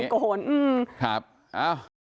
โกหกเรื่อยประมาณแบบนี้